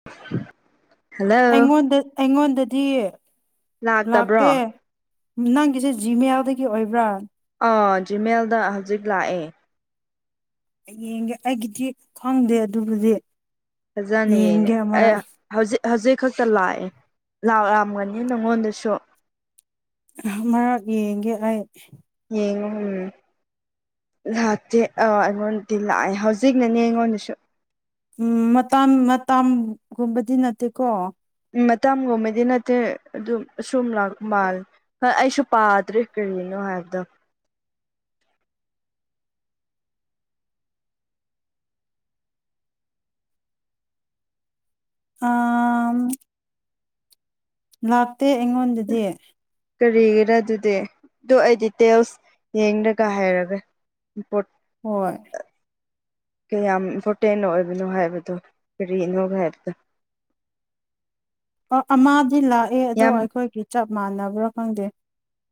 [unintelligible] ꯑꯩꯉꯣꯟꯗ ꯑꯩꯉꯣꯟꯗꯗꯤ ꯂꯥꯛꯇꯕ꯭ꯔꯣ ꯂꯥꯛꯇꯦ ꯅꯪꯒꯤꯁꯦ ꯖꯤꯃꯦꯜꯗꯒꯤ ꯑꯣꯏꯕ꯭ꯔꯥ ꯑ ꯖꯤꯃꯦꯜꯗ ꯍꯧꯖꯤꯛ ꯂꯥꯛꯑꯦ ꯌꯦꯡꯒꯦ ꯑꯩꯒꯤꯗꯤ ꯈꯪꯗꯦ ꯑꯗꯨꯕꯨꯗꯤ ꯐꯖꯅꯤꯌꯦꯅꯦ ꯌꯦꯡꯒꯦ ꯑꯦ ꯑꯃꯔꯛ ꯍꯧꯖꯤꯛ ꯍꯧꯖꯤꯛ ꯈꯛꯇ ꯂꯥꯛꯑꯦ ꯂꯥꯛꯑꯝꯒꯅꯤ ꯅꯪꯉꯣꯟꯗꯁꯨ ꯃꯔꯛ ꯌꯦꯡꯒꯦ ꯑꯩ ꯎꯝ ꯂꯥꯛꯇꯦ ꯑꯥ ꯑꯩꯉꯣꯟꯗꯗꯤ ꯂꯥꯛꯑꯦ ꯍꯧꯖꯤꯛꯅꯅꯦ ꯑꯩꯉꯣꯟꯗꯁꯨ ꯎꯝ ꯃꯇ ꯃꯇꯝꯒꯨꯝꯕꯗꯤ ꯅꯠꯇꯦꯀꯣ ꯃꯇꯝꯒꯨꯝꯕꯗꯤ ꯅꯠꯇꯦ ꯑꯗꯨꯝ ꯑꯁꯨꯝ ꯂꯥꯛ ꯃꯥꯜ ꯍꯣꯏ ꯑꯩꯁꯨ ꯄꯥꯗ꯭ꯔꯦ ꯀꯔꯤꯅꯣ ꯍꯥꯏꯕꯗ ꯑ ꯂꯥꯛꯇꯦ ꯑꯩꯉꯣꯟꯗꯗꯤ ꯀꯔꯤꯒꯤꯔꯥ ꯑꯗꯨꯗꯤ ꯑꯗꯨ ꯑꯩ ꯗꯤꯇꯦꯜꯁ ꯌꯦꯡꯔꯒ ꯍꯥꯏꯔꯒꯦꯄ ꯍꯣꯏ ꯀꯌꯥꯝ ꯏꯝꯄꯣꯔꯇꯦꯟ ꯑꯣꯏꯕꯅꯣ ꯍꯥꯏꯕꯗꯣ ꯀꯔꯤꯅꯣ ꯍꯥꯏꯕꯗ ꯑꯃꯗꯤꯗꯤ ꯂꯥꯛꯑꯦ ꯑꯗꯣ ꯌꯥꯝ ꯑꯩꯈꯣꯏꯒꯤ ꯆꯞ ꯃꯥꯟꯅꯕ꯭ꯔꯥ ꯈꯪꯗꯦ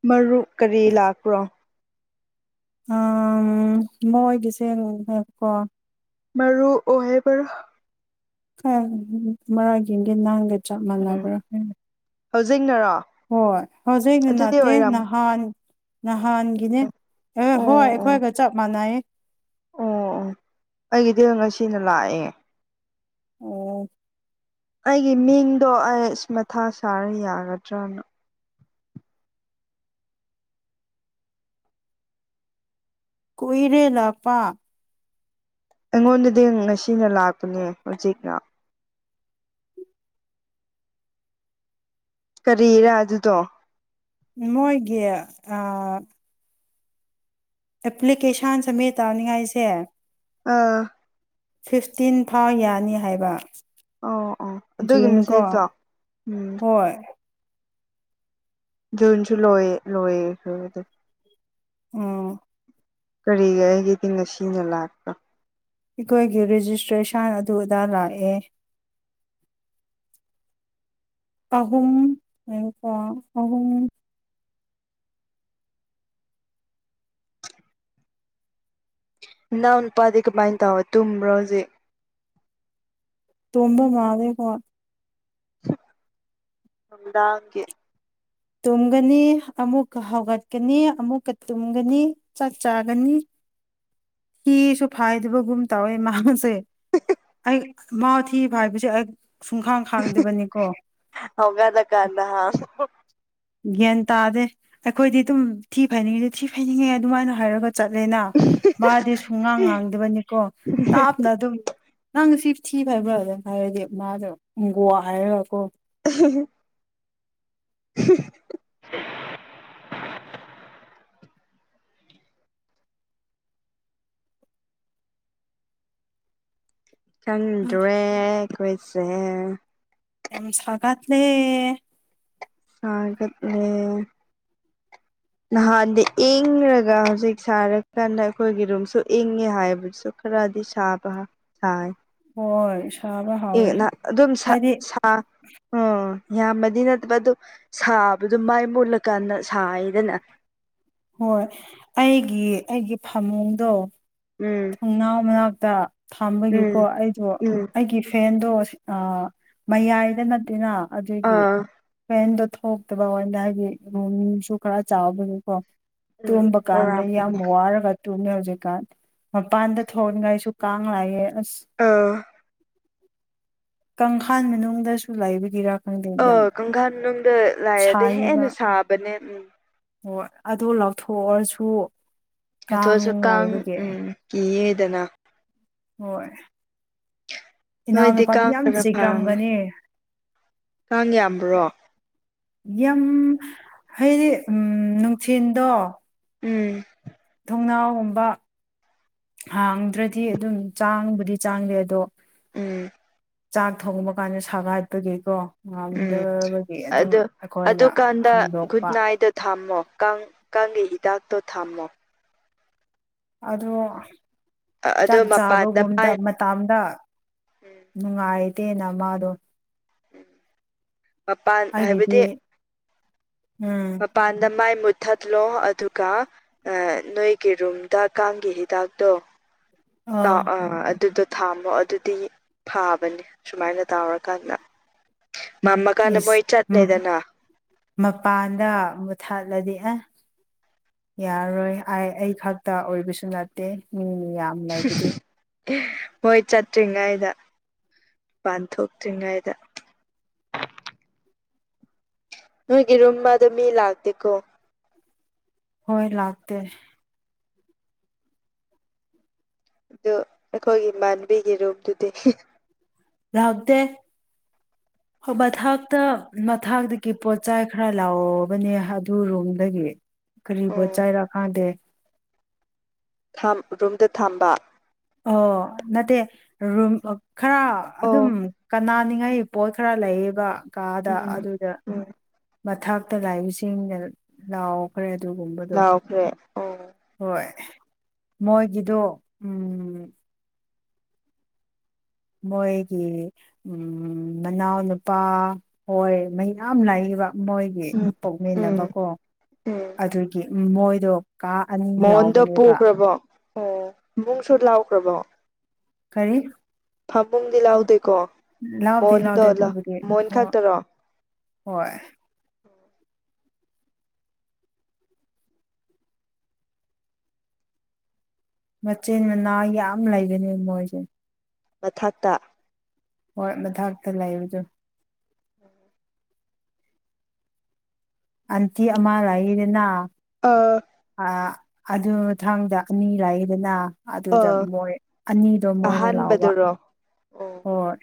ꯃꯔꯨꯞ ꯀꯔꯤ ꯂꯥꯛꯄ꯭ꯔꯣ ꯎ ꯃꯣꯏꯒꯤꯁꯦ ꯍꯥꯏꯕꯀꯣ ꯃꯥꯔꯨ ꯑꯣꯍ ꯃꯔ ꯈꯔ ꯃꯔꯥꯒꯤꯗꯤ ꯅꯍꯪꯒ ꯆꯞ ꯎꯝ ꯃꯥꯟꯅꯕ꯭ꯔꯥ ꯍꯥꯏ ꯍꯧꯖꯤꯛꯅꯔꯣ ꯍꯣꯏ ꯍꯧꯖꯤꯛ ꯑꯗꯨꯗꯤ ꯅꯠꯇꯦ ꯑꯣꯏꯔꯝ ꯅꯍꯥꯟ ꯅꯍꯥꯟꯒꯤꯅꯦ ꯑꯣ ꯍꯣꯏ ꯑꯣ ꯑꯩꯈꯣꯏꯒ ꯑꯣ ꯆꯞ ꯃꯥꯟꯅꯩ ꯑꯣ ꯑꯩꯒꯤꯗꯤ ꯉꯁꯤꯅ ꯂꯥꯛꯑꯦ ꯑꯣ ꯑꯩꯒꯤ ꯃꯤꯡꯗꯣ ꯑꯁ ꯃꯊꯥ ꯁꯥꯔ ꯌꯥꯒꯗ꯭ꯔꯅ ꯀꯏꯔꯦ ꯂꯥꯛ ꯄ ꯑꯩꯉꯣꯟꯗꯗꯤ ꯉꯁꯤꯅ ꯂꯥꯛꯄꯅꯦ ꯍꯧꯖꯤꯛꯅ ꯀꯔꯤꯔ ꯑꯗꯨꯗꯣ ꯃꯣꯏꯒꯤ ꯑ ꯑꯦꯄ꯭ꯂꯤꯀꯦꯁꯟ ꯁꯃꯦ ꯇꯥꯥꯎꯅꯤꯌꯥꯏꯁꯦ ꯍꯥꯏ ꯑꯥ ꯐꯤꯐꯇꯤꯟ ꯐꯥꯎ ꯌꯥꯅꯤ ꯍꯥꯏꯕ ꯑꯣ ꯑꯣ ꯑꯗꯨꯒꯤ ꯖꯨꯟꯒꯣ ꯃꯦꯁꯦꯖꯇꯣ ꯎꯝ ꯍꯣꯏ ꯖꯟꯁꯨ ꯂꯣꯏ ꯂꯣꯏꯗꯤ ꯎꯝ ꯀꯔꯤꯒꯒꯤꯗꯤ ꯉꯁꯤꯅ ꯂꯥꯛꯥꯛꯀ ꯑꯩꯈꯣꯏꯒꯤ ꯔꯦꯖꯤꯁꯇ꯭ꯔꯦꯁꯟ ꯑꯗꯨꯗ ꯂꯥꯛꯑꯦ ꯑꯍꯨꯝ ꯌꯦꯀ ꯑꯍꯨꯝꯨꯝ ꯅꯅꯥꯎꯟꯄꯥꯗꯀ ꯄꯥꯏ ꯇꯕꯣ ꯇ ꯔꯣꯖꯦ ꯇꯣꯡꯝꯕ ꯃꯥꯗꯦ ꯐ ꯍꯗꯀꯦ ꯇꯨꯝꯒꯅꯤ ꯑꯃꯨꯛꯀ ꯍꯧꯒꯠꯀꯅꯤ ꯑꯃꯨꯛꯀ ꯇꯨꯝꯒꯅꯤ ꯆꯥꯛ ꯆꯥꯒꯅꯤ ꯁꯤꯁꯨ ꯐꯥꯏꯗꯕꯒꯨꯝ ꯇꯧꯋꯦ ꯃꯥꯅꯁꯦ ꯑꯩ ꯃꯥ ꯊꯤ ꯐꯥꯏꯕꯁꯦ ꯑꯩ ꯁꯨꯡꯈꯥꯡ ꯈꯥꯡꯗꯕꯅꯤꯀꯣ ꯍꯧꯒꯠꯂꯀꯥꯟꯗ ꯍꯥꯡ ꯒ꯭ꯌꯥꯟ ꯇꯥꯗꯦ ꯑꯩꯈꯣꯏꯗꯤ ꯑꯗꯨꯝ ꯊꯤ ꯐꯩꯅꯤꯡꯉꯤꯗ ꯊꯤ ꯐꯩꯅꯤꯡꯉꯦ ꯑꯗꯨꯃꯥꯏꯅ ꯍꯥꯏꯔꯒ ꯆꯠꯂꯦꯅ ꯃꯥꯗꯤ ꯁꯨꯡꯉꯥꯡ ꯉꯥꯡꯗꯕꯅꯤꯀꯣ ꯇꯥꯞꯅ ꯑꯗꯨꯝ ꯅꯪ ꯁꯤ ꯊꯤ ꯐꯕ꯭ꯔꯥ ꯑꯗꯨꯝ ꯍꯥꯏꯔꯗꯤ ꯃꯥꯗꯣ ꯎꯪꯒꯣꯋꯥ ꯍꯥꯏꯔꯒꯀꯣ [unintelligible] [inaudible] ꯈꯪꯗ꯭ꯔꯦ ꯑꯈꫭꯏꯁꯦ ꯌꯥꯝ ꯁꯥꯒꯠ ꯂ‌ꯦ ꯁꯒꯠꯂ‌ꯦ [inaudible] ꯅꯍꯥꯟꯗꯤ ꯏꯪꯔꯒ ꯍꯧꯖꯤꯛ ꯁꯥꯔꯀꯥꯟꯗ ꯑꯩꯈꯣꯏꯒꯤ ꯔꯨꯝꯁꯨ ꯏꯪꯉꯦ ꯍꯥꯏꯕꯁꯨ ꯈꯔ ꯗꯤ ꯁꯥꯥꯕ ꯁꯥꯏ ꯍꯣꯏ ꯁꯥꯕ ꯑꯦ ꯍꯧꯔꯦ ꯑꯗꯨꯝ ꯁꯥ ꯍꯥꯏꯗꯤ ꯁꯥ ꯎꯝ ꯌꯥꯝꯃꯗꯤ ꯅꯠꯇꯕ ꯑꯗꯨ ꯁꯥꯕꯗꯣ ꯃꯩꯏ ꯃꯨꯠꯂꯀꯥꯟꯗ ꯁꯥꯏꯗꯅ ꯍꯣꯏ ꯑꯩꯒꯤ ꯑꯩꯒꯤ ꯐꯃꯨꯡꯗꯣ ꯎꯝ ꯊꯣꯡꯅꯥꯎ ꯃꯅꯥꯛꯇ ꯎꯝ ꯊꯥꯝꯕꯒꯤꯀꯣ ꯑꯩꯗꯣ ꯎꯝ ꯑꯩꯒꯤ ꯐꯦꯟ ꯑꯗꯣ ꯑꯥ ꯃꯌꯥꯏꯗ ꯅꯠꯇꯅ ꯑꯗꯨꯒꯤ ꯑꯥ ꯐꯦꯟꯗꯣ ꯊꯣꯛꯇꯕ ꯑꯣꯏꯅ ꯍꯥꯏꯗꯤ ꯑꯗꯨꯨꯝꯁꯨ ꯈꯔ ꯆꯥꯎꯕꯒꯤꯀꯣ ꯎꯝ ꯇꯨꯝꯕ ꯀꯥꯟꯗ ꯌꯥꯝ ꯑꯥ ꯋꯥꯔꯒ ꯇꯨꯝꯅꯔꯖ‌ꯦ ꯍꯧꯖꯤꯛꯀꯥꯟ ꯃꯄꯥꯟꯗ ꯊꯣꯟꯉꯥꯏꯁꯨ ꯀꯥꯡ ꯂꯥꯛꯑꯌꯦ ꯑꯥ ꯀꯪꯈꯥꯥꯟ ꯃꯅꯨꯡꯗꯁꯨ ꯂꯩꯕꯒꯤꯔ ꯑ ꯀꯪꯈꯜ ꯃꯅꯨꯡꯗ ꯂꯩꯔꯗꯤ ꯁꯥꯏꯌꯦꯕ ꯍꯦꯟꯅ ꯁꯥꯕꯅꯦ ꯎꯝ ꯍꯣꯏ ꯑꯗꯣ ꯂꯧꯊꯣꯛꯑꯁꯨ ꯂꯧꯊꫭꯛ ꯀꯥꯡ ꯑꯁꯨ ꯀꯥꯡ ꯂꯩꯕꯒꯤ ꯎꯝ ꯀꯤꯌ‌ꯦꯗꯅ ꯍꯣꯏ ꯅꯣꯏꯗꯤ ꯏꯅꯥꯎꯅꯨꯄꯥꯗꯤ ꯀꯥꯡ ꯌꯥꯝ ꯈꯔ ꯐꯥꯔꯝꯅꯦ ꯆꯤꯛꯑꯝꯒꯅꯤ ꯀꯥꯡ ꯌꯥꯝꯕ꯭ꯔꯣ ꯌꯥꯝ ꯍꯥꯏꯗꯤ ꯎꯝ ꯅꯨꯡꯊꯤꯟꯗꯣ ꯎꯝ ꯊꫭꯡꯅꯥꯎꯒꯨꯝꯕ ꯍꯥꯡꯗ꯭ꯔꯗꯤ ꯑꯗꯨꯝ ꯆꯥꯡꯕꯨꯗꯤ ꯆꯥꯡꯗꯦ ꯑꯗꯣ ꯎꯝ ꯆꯥꯛ ꯊꯣꯡꯕ ꯀꯥꯟꯗ ꯁꯥꯒꯠꯄꯒꯤꯀꯣ ꯎꯝ ꯉꯝꯗꯕꯒꯤ ꯑꯗꯨꯝ ꯑꯗꯨ ꯑꯩꯈꯣꯏꯅ ꯑꯗꯨꯀꯥꯟꯗ ꯒꯨꯠ ꯍꯥꯡꯗꯣꯛꯄ ꯅꯥꯏꯠꯗꫪꯇꫭ ꯊꯝꯃꯣ ꯀꯥꯡ ꯀꯥꯡꯒꯤ ꯍꯤꯗꯥꯛꯇꯣ ꯊꯝꯃꯣ ꯑꯗꯣ ꯑꯗꯣ ꯆꯥꯛ ꯃꯄꯥꯟꯗ ꯆꯥꯕꯒꯨꯝꯗ ꯃꯥꯏ ꯃꯇꯥꯝꯗ ꯎꯝ ꯅꯨꯡꯉꯥꯏꯇꯦꯅ ꯃꯥꯗꯣ ꯃꯄꯥꯟ ꯑꯩꯒꯤꯗꯤ ꯍꯥꯏꯕꯗꯤ ꯎꯝ ꯃꯩ ꯃꯨꯠꯊꯠꯂꯣ ꯑꯗꯨꯒ ꯅꯣꯏꯒꯤ ꯔꯨꯝꯗ ꯀꯥꯡꯒꯤ ꯍꯤꯗꯥꯛꯇꯣ ꯑ ꯑꯥ ꯑ ꯑꯗꯨꯗ ꯊꯝꯃꯣ ꯑꯗꯨꯗꯤ ꯐꯥꯕꯅꯤ ꯁꯨꯃꯥꯏꯅ ꯇꯧꯔꯀꯥꯟꯗ ꯃꯝꯃꯥ ꯀꯥꯟꯗ ꯃꯣꯏ ꯏꯁ ꯆꯠꯂ‌ꯦꯗꯅ ꯃꯄꯥꯟꯗ ꯃꯨꯊꯥꯠꯂꯗꯤ ꯎꯝ ꯌꯥꯔꯣꯏ ꯑꯩ ꯈꯛꯇ ꯑꯣꯏꯕꯁꯨ ꯅꯠꯇꯦ ꯃꯤ ꯌꯥꯝ ꯂꯩꯕꯗꯨ ꯃꯣꯏ ꯆꯠꯇ꯭ꯔꯤꯉꯩꯗ ꯃꯄꯥꯟ ꯊꯣꯛꯇ꯭ꯔꯤꯉꯩꯗ [inaudible] ꯅꯣꯏꯒꯤ ꯔꯨꯝꯃꯗꯤ ꯃꯤ ꯂꯥꯛꯇꯦꯀ ꯍꯣꯏ ꯂꯥꯛꯇꯦ꯫ ꯑꯗꯨ ꯑꯩꯈꯣꯏꯒꯤ ꯏꯃꯥꯟꯕꯤꯒꯤ ꯔꯨꯝꯗꯨꯗꯤ ꯂꯥꯛꯇ‌ꯦ ꯍꫭ ꯃꯊꯥꯛꯇ ꯃꯊꯥꯛꯇꯒꯤ ꯄꯣꯠꯆꯩ ꯈꯔ ꯂꯥꯎꯔꯨꯕꯅꯦ ꯑꯗꯨ ꯔꯨꯝꯗꯒꯤ꯫ ꯀꯔꯤꯕꯨ ꯎꯝ ꯆꯥꯏꯔꯥ ꯈꯪꯗꯦ ꯊꯝ ꯔꯨꯝꯗ ꯊꯝꯕ ꯑꯣ ꯅꯠꯇꯦ ꯔꯨꯝ ꯈꯔ ꯑꯗꯨꯝ ꯑꯣ ꯀꯅꯥ ꯊꯥꯅꯤꯡꯉꯥꯏꯒꯤ ꯄꯣꯠ ꯈꯔ ꯂꯩꯌꯦꯕ ꯀꯥꯗ ꯎꯝ ꯑꯗꯨꯗ ꯎꯝ ꯃꯊꯇ ꯂꯥꯛꯏꯕꯁꯤꯡꯅ ꯂꯥꯎꯈ꯭ꯔꯦ ꯑꯗꯨꯒꯨꯝꯕꯗꯣ ꯂꯥꯎꯈ꯭ꯔꯦ ꯑꯣ ꯍꯣꯏ ꯃꯣꯏꯒꯤꯗꯨ ꯎꯝ ꯃꯣꯏꯒꯤ ꯃꯅꯥꯎꯅ ꯅꯨꯄꯥ ꯍꯣꯏ ꯃꯌꯥꯝ ꯂꯥꯛꯌꯦꯕ ꯃꯣꯏꯒꯤ ꯎꯝ ꯎꯝ ꯄꯣꯛꯃꯤꯟꯅꯕꯀꯣ ꯎꯝ ꯑꯗꯨꯒꯤ ꯃꯣꯏꯗꯣ ꯀꯥ ꯑꯅꯤ ꯃꯣꯟꯗꯣ ꯂꯥꯎꯕꯅꯦꯕ ꯄꯨꯈ꯭ꯔꯕꯣ ꯑꯣ ꯏꯕꯨꯡꯁꯨ ꯂꯥꯎꯈ꯭ꯔꯕꯣ ꯀꯔꯤ ꯐꯃꯨꯡꯗꯤ ꯂꯥꯎꯗꯦꯀꯣ ꯂꯥꯎꯗꯦ ꯂꯥꯎꯗꯦ ꯃꯣꯟꯗꯣ ꯑꯗꯨꯕꯨꯗꯤ ꯃꯣꯟ ꯍꯣꯏ ꯈꯛꯇꯔꯣ ꯍꯣꯏ ꯃꯆꯤꯟ ꯃꯅꯥꯎ ꯌꯥꯝ ꯂꯩꯕꯅꯦ ꯃꯣꯏꯗꯤ ꯃꯊꯥꯛꯇ ꯍꯣꯏ ꯃꯊꯥꯛꯇ ꯂꯩꯕꯗꯨ ꯎꯝ ꯑꯟꯇꯤ ꯑꯃꯥ ꯂꯩꯌꯦꯗꯅ ꯑꯥ ꯑ ꯑꯗꯨ ꯃꯊꯪꯗ ꯑꯅꯤ ꯂꯩꯌꯦꯗꯅ ꯑꯗꯨꯗ ꯑꯥ ꯃꯣꯏ ꯑꯅꯤꯗꯣ ꯃꯣꯏꯅ ꯂꯧꯕ ꯑꯍꯥꯟꯕꯗꯨꯔꯣ ꯑꯣ ꯍꯣꯏ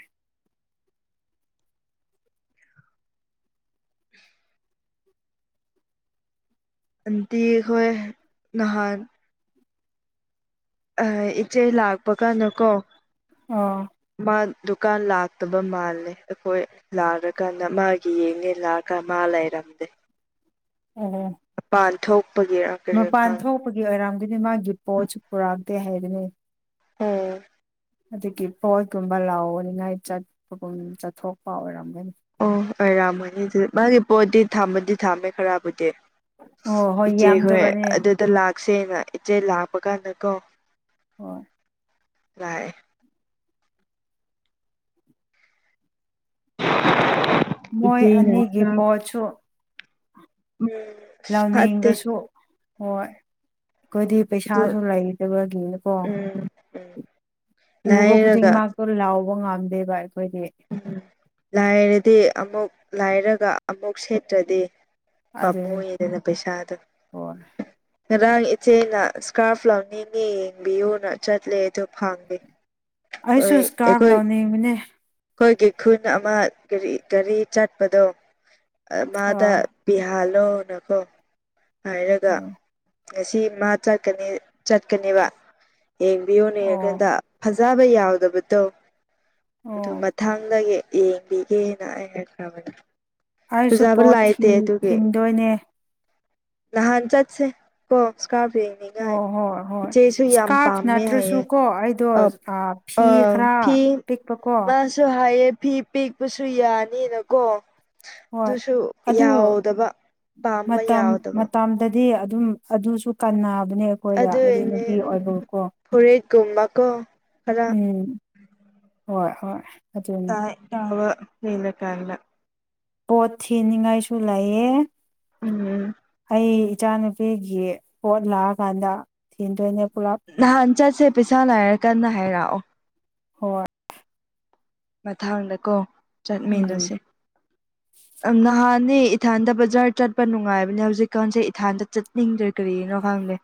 ꯑꯟꯗꯤ ꯍꯣꯏ ꯅꯍꯥꯟ ꯑ ꯏꯆꯦ ꯂꯥꯛꯄ ꯀꯟꯗꯀꯣ ꯑꯥꯥ ꯗꯨꯀꯥꯟ ꯂꯥꯛꯇꯕ ꯃꯥꯜꯂꯦ ꯑꯩꯈꯣꯏ ꯂꯥꯛꯑꯀꯥꯟꯗ ꯃꯥꯒꯤ ꯌꯦꯡꯉꯦ ꯂꯥꯛꯑꯀꯥꯟꯗ ꯃꯥꯥ ꯂꯩꯔꯝꯗꯦ ꯑꯣ ꯃꯄꯥꯟ ꯊꯣꯛꯄꯒꯤꯔ ꯀꯔꯤꯔ ꯃꯄꯥꯟ ꯈꯪ ꯊꯣꯛꯄꯒꯤ ꯑꯣꯏꯔꯝꯒꯅꯤ ꯃꯥꯒꯤ ꯄꯣꯠꯁꯨ ꯄꯨꯔꯛꯇꯦ ꯍꯥꯏꯕꯅꯦ ꯎꯝ ꯑꯗꯨꯒꯤ ꯄꯣꯠꯀꯨꯝꯕ ꯂꯥꯎꯅꯤꯉꯥꯏ ꯆꯠꯄꯒꯨꯝ ꯆꯠꯊꯣꯛꯄ ꯑꯣꯏꯔꯝꯒꯅꯤ ꯑꯣ ꯑꯣꯏꯔꯝꯒꯅꯤ ꯑꯗꯨꯗꯤ ꯃꯥꯒꯤ ꯄꯣꯠꯗꯤ ꯊꯥꯝꯕꯗꯤ ꯊꯥꯝꯃꯦ ꯈꯔꯕꯨꯗꯤ ꯑꯣ ꯏꯆꯦ ꯍꯣꯏ ꯌꯥꯝꯗꯕꯅꯦ ꯑꯗꯨꯗ ꯂꯥꯛꯁꯦꯅ ꯏꯆꯦ ꯂꯥꯛꯄ ꯀꯥꯟꯗꯀꯣ ꯍꯣꯏ ꯥꯂꯥꯛꯏ [unintelligible] ꯃꯣꯏ ꯏꯆꯦꯅ ꯑꯅꯤꯒꯤ ꯁ꯭ꯀꯥꯔꯞ ꯄꯣꯠꯁꯣ ꯎꯝ ꯐꯠꯇꯦ ꯂꯥꯎꯅꯤꯡꯕꯁꯨ ꯍꯣꯏ ꯑꯩꯈꯣꯏꯗꯤ ꯑꯗꯨ ꯄꯩꯁꯥꯁꯨ ꯂꯩꯇꯕꯒꯤꯅꯦꯀꯣ ꯎꯝ ꯎꯕ ꯈꯨꯗꯤ ꯂꯥꯏꯔꯒ ꯃꯛꯇꯨ ꯂꯥꯎꯕ ꯉꯝꯗꯦꯕ ꯑꯩꯈꯣꯏꯗꯤ ꯂꯥꯏꯔꯗꯤ ꯑꯃꯨꯛ ꯂꯥꯏꯔꯒ ꯑꯃꯨꯛ ꯁꯦꯠꯇ꯭ꯔꯗꯤ ꯄꯃꯨ ꯑꯗꯨꯅꯤ ꯏꯅ ꯄꯩꯁꯥꯗꯨ ꯍꯣꯏ ꯉꯔꯥꯡ ꯏꯆꯦꯅ ꯏꯁꯀꯥꯔꯐ ꯂꯧꯅꯤꯡꯉꯦ ꯌꯦꯡꯕꯤꯌꯨꯅ ꯆꯠꯂꯦ ꯑꯗꯨ ꯐꯪꯗꯦ ꯑꯩꯁꯨ ꯏꯁꯀꯥꯞ ꯑꯩꯈꯣꯏ ꯂꯥꯎꯅꯤꯡꯕꯅꯦ ꯑꯩꯈꯣꯏꯒꯤ ꯈꯨꯟ ꯑꯃ ꯒꯥꯔꯤ ꯆꯠꯄꯗꯣ ꯃꯥꯗ ꯑꯥ ꯄꯤꯍꯥꯜꯂꯣꯅꯀꯣ ꯍꯥꯏꯔꯒ ꯑꯣ ꯉꯁꯤ ꯃꯥ ꯆꯠꯀꯅꯤ ꯆꯠꯀꯅꯦꯕ ꯑꯣ ꯌꯦꯡꯕꯤꯌꯣꯅꯦꯡꯀꯥꯟꯗ ꯐꯖ ꯆ ꯆꯥꯕ ꯌꯥꯎꯗꯕꯗꯣ ꯑꯗꯨ ꯑꯣ ꯃꯊꯥꯡꯗꯒꯤ ꯌꯦꯡꯕꯤꯒꯦꯅꯑ ꯍꯥꯏꯈ꯭ꯔꯕꯅꯤ ꯑꯩꯁꯨ ꯇꯖꯥꯕ ꯄꯣꯠ ꯊꯤ ꯂꯥꯏꯇ ꯇꯨꯒꯤ ꯊꯤꯟꯗꯣꯏꯅꯦ ꯂꯍꯥꯟ ꯆꯦ ꯀꯣ ꯀꯥ ꯄꯛꯅꯤꯉꯥꯏ ꯍꯣꯏ ꯍꯣꯏ ꯍꯣꯏ ꯏꯆꯦꯁꯨ ꯌꯥꯝ ꯏꯁꯀꯥꯔꯐ ꯄꯥꯝꯃꯦ ꯅꯠꯇ꯭ꯔꯁꯨ ꯍꯥꯏꯌꯦ ꯀꯣ ꯑꯩꯗꯣ ꯑ ꯑꯥ ꯑ ꯐꯤ ꯈꯔ ꯐꯤ ꯄꯤꯛꯄꯀꯣ ꯃꯥꯁꯨ ꯍꯥꯏꯌꯦ ꯐꯤ ꯄꯦꯛꯄꯁꯨ ꯌꯥꯅꯤꯅꯀꯣ ꯍꯣꯏ ꯑꯗꯨꯁꯨ ꯑꯗꯨ ꯌꯥꯎꯗꯕ ꯄꯥꯝꯕ ꯃꯇꯝ ꯌꯥꯎꯗꯕ ꯃꯇꯝꯗꯗꯤ ꯑꯗꯨꯝ ꯑꯗꯨꯁꯨ ꯀꯟꯅꯕꯅꯦ ꯑꯩꯈꯣꯏꯗ ꯍꯥꯏꯗꯤ ꯑꯗꯨꯏꯅꯦ ꯅꯨꯄꯤ ꯎꯝ ꯑꯣꯏꯕꯕꯨꯀꯣ ꯐꯨꯔꯤꯠꯀꯨꯝꯕꯀꯣ ꯈꯔ ꯎꯝ ꯍꯣꯏ ꯍꯣꯏ ꯑꯗꯨꯅꯤ ꯇꯥ ꯇꯥꯕ ꯀꯂ ꯀꯔꯂ ꯄꯣꯠ ꯊꯤꯅꯤꯡꯉꯥꯏꯁꯨ ꯂꯩꯑꯦ ꯎꯝ ꯑꯩ ꯏꯆꯥꯅꯨꯄꯤꯒꯤ ꯄꯣꯠ ꯂꯥꯛꯑꯀꯥꯟꯗ ꯊꯤꯟꯗꯣꯏꯅꯦ ꯄꯨꯂꯞ ꯅꯍꯥꯟ ꯆꯠꯁꯦ ꯄꯩꯁꯥ ꯂꯥꯏꯔ ꯀꯟꯅ ꯍꯥꯏꯔꯛꯑꯣ ꯍꯣꯏꯣꯏ ꯃꯊꯥꯡꯗꯀꯣ ꯎꯝ ꯆꯠꯃꯤꯟꯅꯣꯁꯦ ꯅꯍꯥꯟꯅꯦ ꯏꯊꯥꯟꯗ ꯕꯖꯥꯔ ꯆꯠꯄ ꯅꯨꯡꯉꯥꯏꯕꯅꯦ ꯍꯧꯖꯤꯛꯀꯥꯟꯁꯦ ꯏꯊꯥꯟꯗ ꯆꯠꯅꯤꯡꯗ꯭ꯔꯦ ꯀꯔꯤꯒꯤꯅꯣ ꯈꯪꯗꯦ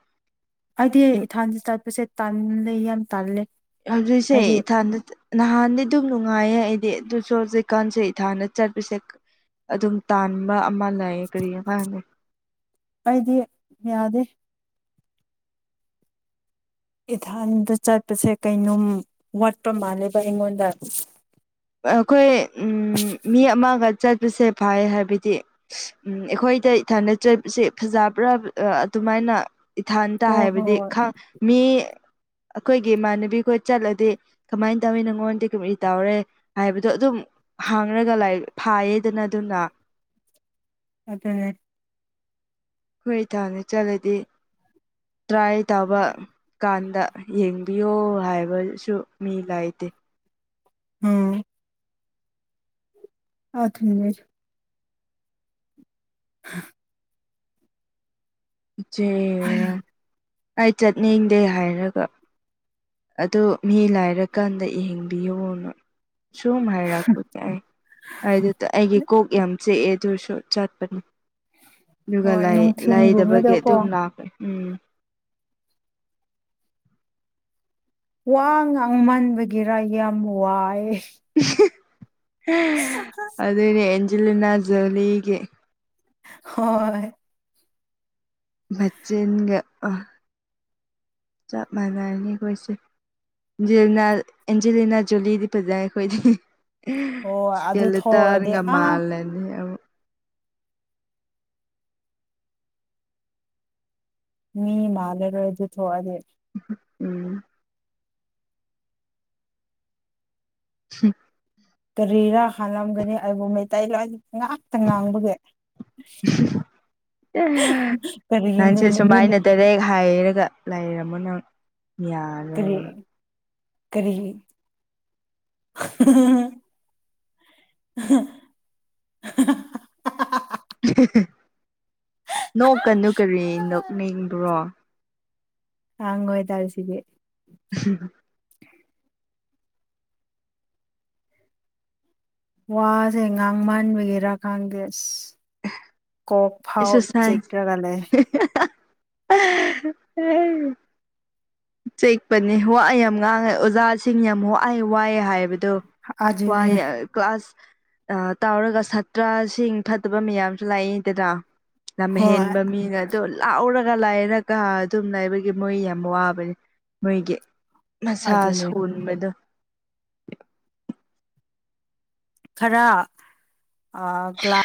ꯑꯩꯗꯤ ꯏꯊꯥꯟꯁ ꯆꯠꯄꯁꯦ ꯇꯜꯂꯦ ꯌꯥꯝ ꯇꯥꯜꯂꯦ ꯍꯧꯖꯤꯛꯁꯦ ꯏꯊꯗ ꯅꯍꯥꯟꯗꯤ ꯛꯅꯨꯡ ꯅꯨꯡꯉꯥꯏꯌꯦ ꯑꯩꯗꯤ ꯑꯗꯨꯁꯨ ꯍꯧꯖꯤꯛꯀꯥꯟꯁꯦ ꯏꯊꯥꯅ ꯆꯠꯄꯤꯁꯦ ꯑꯗꯨꯝ ꯇꯥꯟꯕ ꯑꯃ ꯂꯌꯦ ꯀꯔꯤ ꯐ ꯑꯩꯗꯤ ꯌꯥꯗꯦ ꯏꯊꯥꯟꯗ ꯆꯠꯄꯁꯦ ꯀꯩꯅꯣꯝ ꯋꯥꯠꯄ ꯃꯥꯜꯂꯦꯕ ꯑꯩꯉꯣꯟꯗ ꯑꯩꯈꯣꯏ ꯃꯤ ꯑꯃꯒ ꯆꯠꯄꯁꯦ ꯐꯩ ꯍꯥꯏꯕꯗꯤ ꯑꯩꯈꯣꯏ ꯑꯩꯗ ꯊꯥꯅꯠꯆꯕꯁꯦ ꯐꯖꯕ꯭ꯔꯥ ꯑꯗꯨꯃꯥꯏꯅ ꯏꯊꯟꯇ ꯍꯣꯏ ꯍꯥꯏꯕꯗꯤ ꯍꯣꯏ ꯃꯤ ꯑꯩꯈꯣꯏꯒꯤ ꯏꯃꯥꯟꯅꯕꯤꯈꯣꯏ ꯆꯠꯂꯗꯤ ꯀꯃꯥꯏꯅ ꯇꯧꯏ ꯅꯪꯉꯣꯟꯗꯤ ꯀꯩꯃꯩ ꯇꯧꯔꯦ ꯍꯥꯏꯕꯗꯣ ꯑꯗꯨꯝ ꯍꯥꯡꯉꯒ ꯂꯥꯏ ꯐꯥꯏꯌꯦꯗꯅ ꯑꯗꯨꯅ ꯑꯗꯨ ꯍꯣꯏ ꯊꯥꯅꯤ ꯆꯠꯂꯗꯤ ꯇ꯭ꯔꯥꯏ ꯇꯥꯕ ꯀꯥꯟ ꯗ ꯌꯦꯡꯕꯤꯌꯣ ꯍꯥꯏꯕꯁꯨ ꯃꯤ ꯂꯩꯥꯏꯇꯦ ꯎꯝ ꯑꯊ ꯃꯤꯅꯤꯖ [inaudible] [unintelligible] ꯏꯆꯦꯔ ꯑꯩ ꯆꯠꯅꯤꯡꯗꯦ ꯍꯥꯏꯔꯒ ꯑꯣ ꯃꯤ ꯂꯥꯏꯔꯀꯥꯟꯗ ꯌꯦꯍꯡꯕꯤꯌꯨꯅ ꯁꯨꯝ ꯍꯥꯏꯔꯛꯄꯅꯦ ꯑꯩ ꯑꯗꯨ ꯑꯩꯒꯤ ꯀꯣꯛ ꯌꯥꯝ ꯆꯦꯛꯑꯦ ꯑꯗꯨꯁꯨ ꯆꯠꯄꯅꯤ ꯑꯗꯨꯒ ꯍꯣꯏ ꯂꯥꯏꯗꯕꯒꯤ ꯅꯨꯡꯊꯤꯟꯒꯨꯝꯕꯗꯀꯣ ꯑꯗꯨꯝ ꯂꯥꯛꯈꯦ ꯎꯝ ꯋꯥ ꯉꯥꯡꯃꯟꯕꯒꯤꯔ ꯌꯥꯝ ꯋꯥꯏ ꯎ [unintelligible] ꯖꯤꯂꯅꯖꯂꯒ ꯍꯣꯏ ꯃꯖꯅꯤꯡꯒ ꯑ ꯆꯞ ꯃꯥꯟꯅꯅꯤꯈꯣꯏꯁꯦ ꯑꯟꯖꯂꯤꯅꯥ ꯑꯦꯟꯖꯂꯤꯅꯥ ꯖꯨꯂꯤꯗꯤ ꯄꯖ ꯑꯩꯣꯏꯗꯤ ꯑꯣ ꯑꯗꯨ ꯊꯣꯛꯑꯗꯤ ꯦꯂꯇꯔꯒ ꯃꯥ ꯑꯥ ꯂꯩꯅꯤ ꯃꯤ ꯃꯥꯂꯔꯣ ꯑꯗꯨ ꯊꯗꯦ ꯎꯝ ꯁꯤ ꯀ ꯔꯦꯔꯥ ꯍꯥꯂꯒꯅꯤꯕꯨ ꯃ ꯇ ꯉꯥꯛꯇ ꯉꯥꯡꯕꯒꯤ ꯑꯦ ꯀꯔꯤ ꯅꯪꯁꯦ ꯃꯤꯅ ꯁꯨꯃꯥꯏꯅ ꯇꯔꯦ ꯍꯥꯏꯔꯒ ꯑ ꯂꯩꯔꯝꯃꯣ ꯅꯪ ꯌꯥꯔ ꯀꯔꯤ ꯂꯣꯏꯔꯒ ꯀꯔꯤ [unintelligible] ꯅꯣꯛ ꯀꯟꯅꯨ ꯀꯔꯤ ꯅꯣꯛꯅꯤꯡꯕꯔꯣ ꯍꯪ ꯍꯣꯏ ꯇꯜꯁꯤꯗꯦ ꯎꯝ ꯋꯥꯁꯦ ꯉꯥꯡ ꯃꯟꯕꯤꯒꯦꯔꯥ ꯈꯪꯗꯦ ꯀꯣꯛ ꯐꯥꯎ ꯑꯦꯛꯁꯔꯁꯥꯏꯁ ꯆꯀꯤ꯭ꯔꯒ ꯂꯩ [unintelligible] ꯆꯤꯛꯄꯅꯦ ꯋꯥ ꯌꯥꯝ ꯉꯥꯡꯉꯦ ꯑꯣꯖꯥꯁꯤꯡ ꯌꯥꯝ ꯋꯥꯏꯌꯦ ꯋꯥꯏꯌꯦ ꯍꯥꯏ ꯗꯣ ꯑꯗꯨꯅꯦ ꯋꯥꯌꯦ ꯀ꯭ꯂꯥꯁ ꯇꯥꯎꯔꯒ ꯁꯥꯠꯇ꯭ꯔꯁꯤꯡ ꯐꯠꯇꯕ ꯃꯌꯥꯝꯁꯨ ꯂꯥꯛꯏꯗꯅ ꯌꯥꯝ ꯍꯣꯏ ꯍꯦꯟꯕ ꯃꯤꯅ ꯑꯗꯨꯗꯣ ꯂꯥꯎꯔꯒ ꯂꯥꯏꯔꯒ ꯑꯗꯨꯝ ꯂꯩꯥꯏꯕꯒꯤ ꯃꯣꯏ ꯌꯥꯝ ꯋꯥꯕꯅꯤ ꯃꯣꯏꯒꯤ ꯃꯁꯥ ꯑꯗꯨꯅꯦ ꯁꯣꯟꯕꯗꯣ ꯈꯔ ꯀ꯭ꯂꯥꯁ